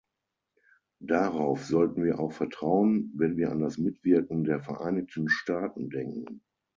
Darauf sollten wir auch vertrauen, wenn wir an das Mitwirken der Vereinigten Staaten denken.